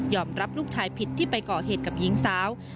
รับลูกชายผิดที่ไปก่อเหตุกับหญิงสาว